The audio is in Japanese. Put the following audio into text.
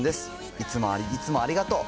いつもいつもありがとう。